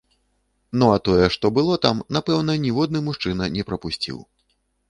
Ну а тое, што было там, напэўна, ніводны мужчына не прапусціў!